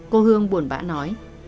cô hương buồn bã nói